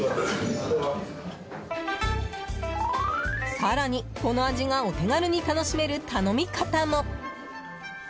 更にこの味がお手軽に楽しめる頼み方も。